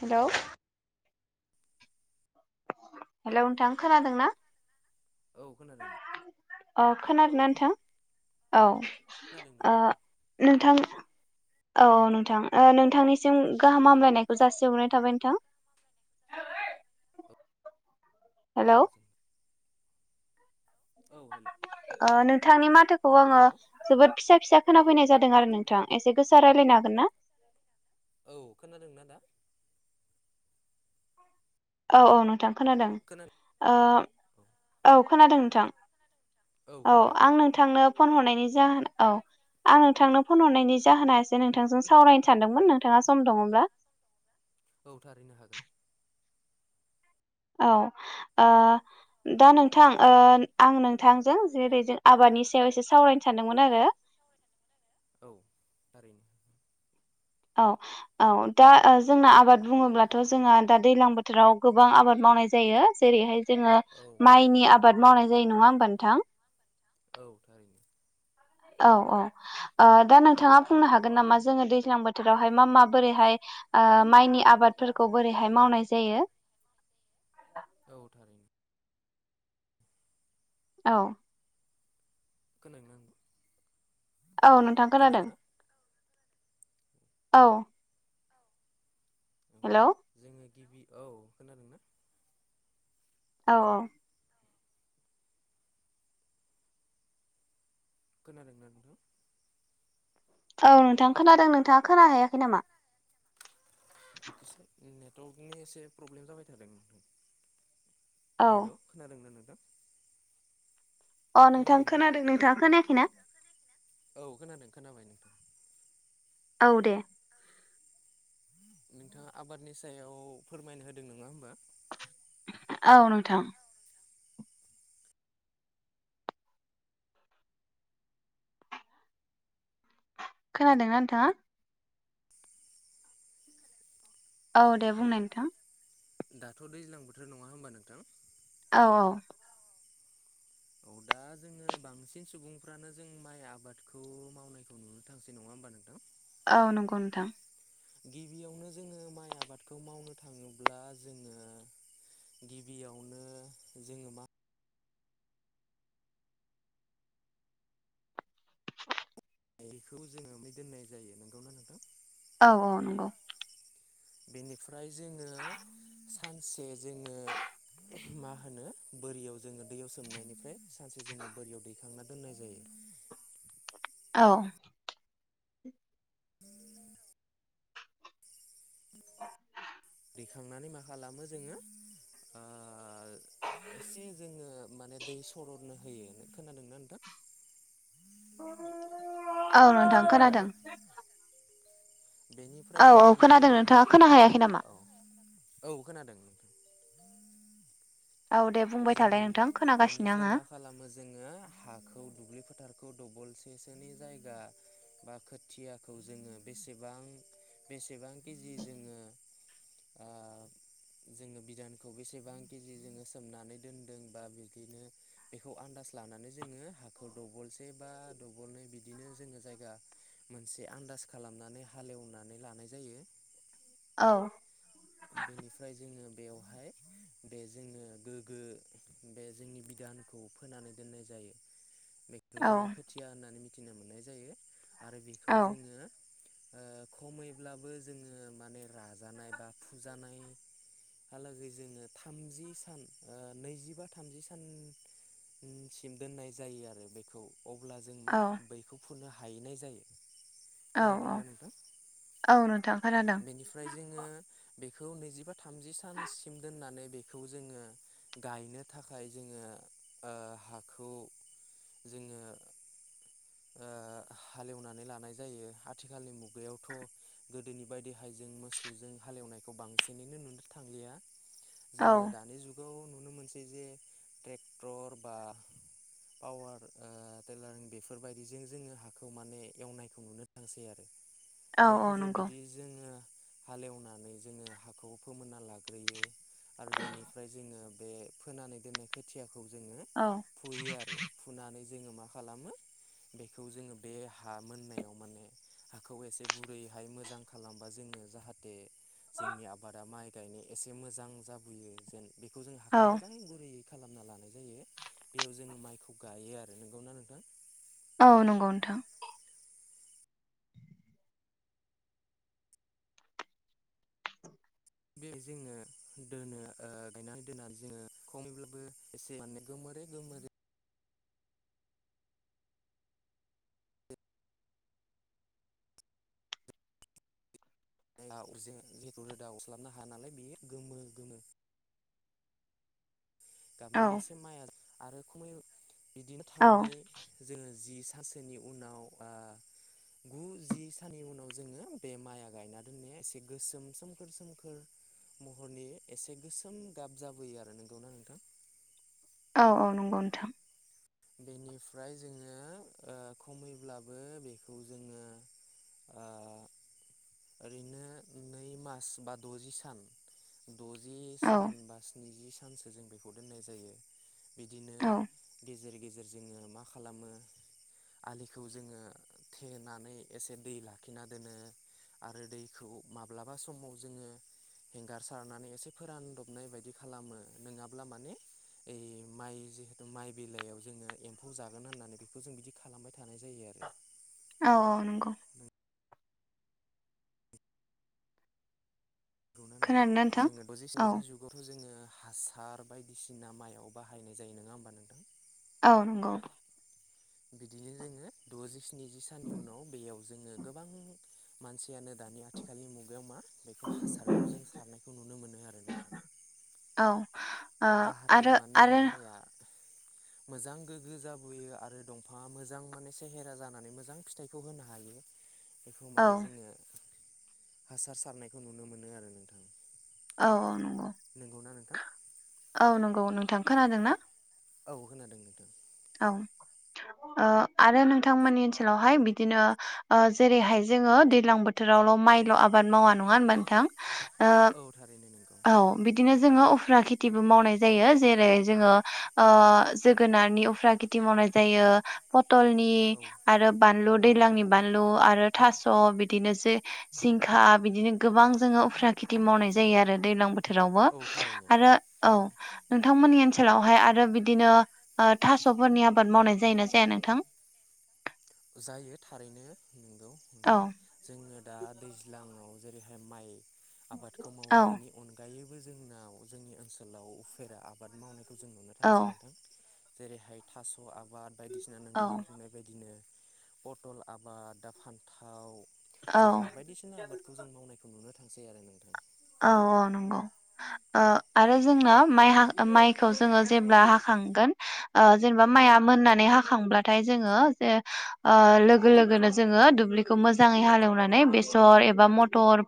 हेल' hello नोंथां खोनादों ना? औ औ खोनादोंना नोंथां औ। खोनादों नों ओ नोंथां औ नोंथां ओह नोंथांनिसिम गाहाम हामलायनायखौ जासिहरनाय थाबाय नोंथां। [inaudible] औ हेल' गोजोन औ हेल' नोंथांनि माथोखौ आङो हेल' जोबोद फिसा फिसा खोनाफैनाय जादों। जादों आरो नोंथां एसे गोसा रायज्लायनो हागोन ना? औ खोनादोंना दा? औ औ नोंथां खोनादों खोना ओ औ खोनादों नोंथां। औ आं नोंथांनो फन हरनायनि जाहोन औ आं नोंथांनो फन हरनायनि जाहोना एसे नोंथांजों सावरायनो सानदोंमोन नोंथाङा सम दङब्ला [inaudible] औ थारहैनो हागोन औ ओ दा नोंथां आं नोंथांजों जे बेजों आबाद नि सयाव एसे सावरायनो सानदोंमोन आरो औ थारैनो औ औ दा ओ जोंना आबाद बुङोब्लाथ जोंहा दा दैज्लां बोथोराव गोबां आबाद मावो मावनाय जायो जेरैहाय जोंङो औ माइनि थारैनो आबाद मावनाय जायो नंङां होमबा नोंथां औ थारैनो औ औ ओ दा नोंथाङा बुंनो हागोन नामा जोंङो दैज्लां बोथोरावहाय मा माबोरैहाय ओ माइनि आबादफोरखौ बोरैहाय मावनाय जायो औ थारैनो औ गोनां नांगौ औ नोंथां खोनादों औ औ हेलौ जोङो गिबि औ खोनादोंना औ औ खोनादोंना नोंथां औ नोंथां खोनादों नोंथाङा खोना हैयाखै नामा नेटवर्कनि एसे प्रब्लेम जाबाय थादों औ हेलौ खोनादोंना नों अ नोंथां खोनादोंना खोनादों नोंथाङा खोनायाखैना औ खोनादों खोनाबाय नोंथां औ दे नोंथाङा आबादनि सायाव फोरमायनो होदों नङा होमबा औ नोंथां खोनादों ना नोंथाङा औ दे बुंनाय नोंथां दाथ' दैज्लां बोथोर नंङा होनबा नोंथां औ औ औ [inaudible] दा जोङो बांसिन सुबुंफ्रानो जों माइ आबादखौ मावनायखौ नुनो थांसै नंङा होमबा नोंथां औ नंगौ नोंथां गिबियावनो जोंङो माइ आबादखौ मावनो थाङोब्ला जोङो गिबियावनो जोंङो मा बेखौ जोंङो मै दोननाय जायो नोंगौना नोंथां औ औ नंगौ बेनिफ्राय जोंङो सानसे जोंङो मा होनो बोरियाव जोंङो दैयाव सोमनायनिफ्राय सानसे जोंङो बोरियाव दैखांना दोननाय जायो औ [inaudible] दैखांनानै मा खालामो जोंङो ओ एसे जोंङो माने दै सरननो होयो खोनादोंना नोंथां [unintelligible] औ नोंथां खोनादों बेनिफ्राय औ औ जोंङो मा खोनादों खालामो नोंथाङा खोनाहैयाखै नामा औ औ खोनादों औ दे बुंबाय थालाय जोंङो नोंथां खोनागासिनो बेनिफ्राय आङो मा खालामो जोंङो हाखौ दुब्लि फोथारखौ दबलसेसोनि जायगा बा खोथियाखौ जोंङो बेसेबां बेसेबां केजि जोंङो जोङो बिधानखौ बेसेबां केजि जोंङो सोमनानै [unintelligible] बा दबलनै बिदिनो जोंङो जायगा मोनसे आ खालामनानै हालेवनानै लानाय जायो। औ। बेनिफ्राय जोङो बेवहाय [inaudible] बे जोंनो गोग्गो बे जोंनि बिधानखौ फोनानै दोननाय जायो। बेखौ औ जोङो खोथिया होननानै मिथिनो मोननाय जायो। आरो बेखौ औ जोङो खमैब्लाबो जोङो माने राजानाय बा फुजानाय हालागै जोङो थामजि सान नैजिबा थामजि सान सिम दोननाय जायो आरो बेखौ अब्ला जों मा औ बैखौ फुनो हाहैनाय जायो औ औ खोनादोंना नोंथां औ नोंथां खोनादों बेनिफ्राय जोङो बेखौ नैजिबा थामजि सानसिम दोननानै बेखौ जोङो गायनो थाखाय जोङो आं हाखौ जोङो हालेवनानै लानाय जायो आथिखालनि मुगायावथ' गोदोनि बायदि हायजों मोसौजों हालेवनायखौ बांसिनैनो नुनो थांलिया औ जोङो दानि जुगाव नुनो मोनसै जे ट्रेक्टर बा पावार टेलारिं बेफोर बेफोरबायदिजों जोङो हाखौ माने एवनायखौ नुनो थांसै आरो औ औ जायखिजाया नंगौ बिदि जोङो हालेवनानै जोङो हाखौ फोमोनना लाग्रोयो आरो बेनिफ्राय जोङो बे फोनानै दोननाय खोथियाखौ जोङो औ फुयो आरो फुनानै क्षयं क्षक्षंज्ञ क्षक्षंज्ञ पपपंजोङो मा खालामो बेखौ जोङो बे हा मोननायाव माने हाखौ एसे गुरैहाय मोजां खालामबा जों- जाहाथे जोंनि आबादा माइ गायनो एसे मोजां जाबोयो जेन बेखौ जों औ हाखौ मोजाङै गुरैयै खालामना लानाय जायो बेयाव जोङो माइखौ गायो आरो नोंगौना नोंथां औ नंगौ नोंथां। बे जोङो दोनो गायनानै दोन्नानै जोङो खमैब्लाबो एसे माने गोमो- मने गोमो- [unintelligible] रोदा अरस्लाबनो हाया नालाय बेयो गोमो गोमो औ गाबनि एसे माइ आरो खमै बिदिनो औ थानानै जोङो जि सानसोनि उनाव आ गु जि साननि उनाव जोङो बे माइआ गायना दोननाया एसे गोसोम सोमखोर सोमखोर महरनि एसे गोसोम गाब जाबोयो आरो नोंगौना नोंथां औ औ नंगौ नोंथां बेनिफ्राय जोङो खमैब्लाबो बेखौ जोङो ओ [inaudible] ओरैनो नै मास बा द'जि सान द'जि औ सान बा स्निजि सानसो जों बेखौ दोननाय जायो बिदि औ। गेजेर गेजेर जोङो मा खालामो आलिखौ जोङो थेनानै एसे दै लाखिना दोनो आरो दैखौ माब्लाबा समाव जोङो हेंगार सारनानै एसे फोरानदबनाय बायदि खालामो नङाब्ला माने ओइ माइ जिहेथु माइ बिलाइयाव जोङो एम्फौ जागोन होननानै बेखौ जों बिदि खालामबाय थानाय जायो आरो। औ औ नंगौ [unintelligible] खोनादोंना नोंथां औ जुगावथ' जोङो हासार बायदिसिना माइआव बाहायनाय जायो नङा होमबा नोंथां औ नंगौ। बिदिनो जोङो द'जि स्निजि साननि उनाव बेयाव जोङो गोबां मानसियानो दानि आथिखालनि मुगायाव मा बेखौ हासारखौ जों सारनायखौ नुनो मोनो आरो नोंथां। औ ओ जाहाथे आरो माने आरो माइआ मोजां गोग्गो जाबोयो आरो दंफाङा मोजां माने सेहेरा जानानै मोजां फिथाइखौ होनो हायो बेखौ औ माने जोङो हासार सारनायखौ नुनो मोनो आरो नोंथां औ औ नंगौ नंगौना नोंथां औ नंगौ नोंथां खोनादों ना? औ खोनादों नोंथां औ आरो नोंथांमोननि ओनसोलावहाय बिदिनो जेरैहाय जोङो दैलां बोथोराव मायल आबाद मावा नङा होनबा नोंथां? ओ औ थारैनो नोंगौ औ बिदिनो जोङो उफ्रा खेथिबो मावनाय जायो जेरै जोङो जोगोनार उफ्रा खेथि मावनाय जायो। पटलनि औ आरो बानलु औ दैलांनि थारैनो। बानलु आरो थास' बिदिनोसो जिंखा बिदिनो गोबां जोङो उफ्रा खेथि मावनाय जायो आरो दैलां बोथोरावबो औ थारैनो आरो औ नोंथांमोननि ओनसोलावहाय आरो बिदिनो थास'फोरनि आबाद मावनाय जायोना जाया नोंथां? जायो थारैनो नोंगौ औ दा दैज्लाङाव जेरैहाय माइ आबादखौ मावो औ बेनि अनगायैबो जोंनाव जोंनि ओनसोलाव उफेरा आबाद मावनायखौ जों नुनो औ थांसै नोंथां जेरैहाय थास' आबाद बायदिसिना औ नोंथाङा बुंनाय बायदिनो पथल आबाद दा फान्थाव जोगोनार बायदिसिना आबादखौ जों मावनायखौ नुनो थांसै आरो नोंथां औ औ नंगौ आरो जोंना माइखौ जोङो जेब्ला हाख जेनेबा माय आ मोननानै हाखांबाथाय जोङो लोगो लोगो जोङो दुब्लिखौ मोजाङै हालेवनानै बेसर एबा मथर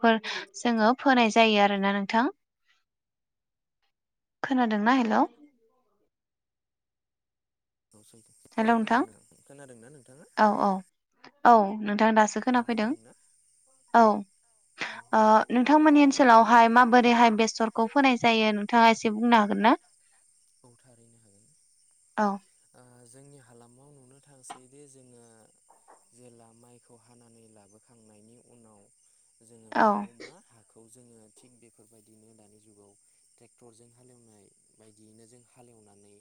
फोनाय जायो आरोना नोंथां खोनादोंना हेल' औ खोनादों खोनादोंना नोंथाङा? औ औ औ नोंथां दासो नोंथाङा खोनाफैदों खोनादोंना औ नोंथांमोननि ओनसोलाव हाय माबोरैहाय बेसरखौ फोनाय जायो नोंथाङा एसे बुंनो हागोन ना? औ थारहैनो हागोन औ जोंनि हालामाव नुनो थांसैदि जोङो जेला माइखौ हानानै लाबोखांनायनि उनाव जोङो बेखौ औ मा हाखो जोङो थिग बेफोरबायदिनो दानि जुगाव ट्रेक्ट'रजों हालएवनाय बायदियैनो जों हालेवनानै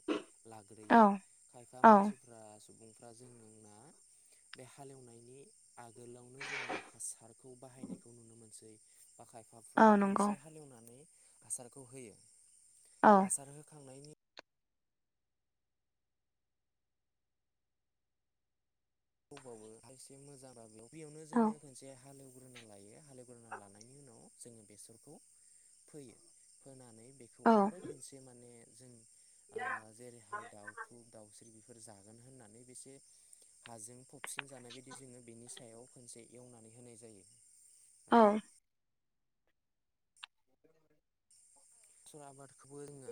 लाग्रोयो औ खायफा औ मानसिफ्रा सुबुंफ्रा जोंना बे हालेवनायनि आगोलावनो जोङो हासारखौ बाहायनायखौ नुनो मोनसै बाय औ नंगौ खनसे हालेवनानै हासारखौ होयो औ हास दबावो एसे मोजांयाव बेयावनो औ जोङो खनसे [inaudible] बेनिन उनाव जों बेसरखौ फोयो बेखौ औ आरो खनसे माने जों जेरैहाय दाउथु दाउस्रि फोर जागोन होननानै बेसे हाजों फबसिन जानाय बायदि जोङो बेनि स खनसे एवनानै होनाय जायो। औ बेसर आबादखौबो जोङो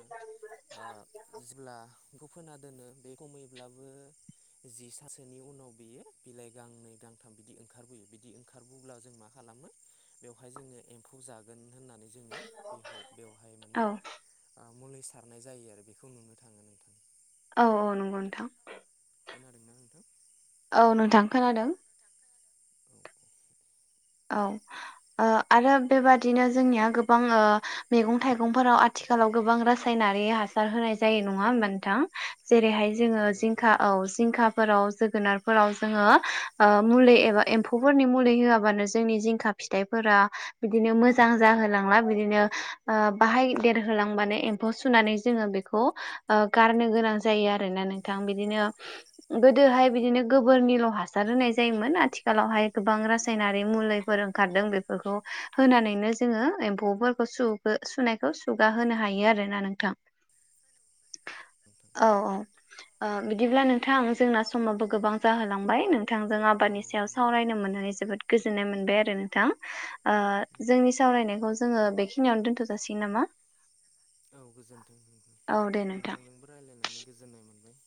जेब्ला बेखौ फोना दोनो बे खमैब्लाबो जि सानसोनि उनाव बियो बिलाइ गांनै गांथाम बिदि ओंखारबोयो बिदि ओंखारबोब्ला जों मा खालामो [inaudible] बेवहाय जोङो एम्फौ जागोन होननानै जोङो बे बेवहाय माने औ मुलि सारनाय जायो आरो बेखौ नुनो थाङो नोंथां। औ औ नंगौ नोंथां खोनादोंना नोंथां? औ नोंथां खोनादों। औ ओ आरो बेबादिनो जोंनिया गोबां ओ मैगं थाइगंफोराव आथि खालाव गोबां रासायनारि हासार होनाय जायो नङा होमबा नोंथां? जेरैहाय औ जोङो थारैनो जिंखा नंगौ औ जिंखाफोराव जो गोनारफोराव जोङो ओ मुलि एबा एम्फौफोरनि मुलि होआबानो जा जोंनि जिंखा फिथाइफोरा बिदिनो मोजां जाहोलांला बिदिनो बाहाय देरहो लांबानो एम्फौ सुनानै जोङो बेखौ ओ गारनो गोनां जायो आरोना नोंथां बिदिनो गोदोहाय बिदिनो गोबोरनिल' हासार होनाय नोंथां जायोमोन आथिखालावहाय गोबां रासायनारि मुलैफोर ओंखारदों बेफोरखौ होनानैनो जोङो एमफौ फोरखौ सुगो सुनायखौ सुग सुगा होनो हायो आरोना नोंथां। नोंथां औ औ ओ बिदिब्ला नोंथां जोंना समाबो गोबां जाहोलांबाय नों थांजों औ आबादनि सायाव जों नोंथां सावरायनो मोननानै जोबोद गोजोननाय मोनबाय आरो नोंथां ओ जोंनि सावरायनायखौ जोङो बेखिनियावनो दोन्थ'जासिगोन नामा? [inaudible] औ गोजोनथों औ दे नोंथां नोंथांजोंबो रायज्लायनानै गोजोननाय मोनबाय।